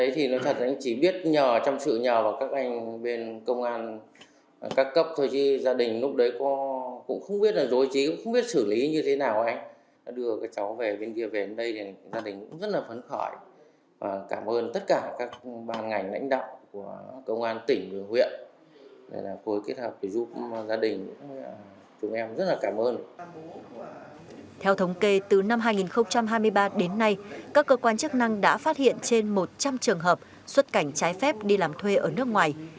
theo thống kê từ năm hai nghìn hai mươi ba đến nay các cơ quan chức năng đã phát hiện trên một trăm linh trường hợp xuất cảnh trái phép đi làm thuê ở nước ngoài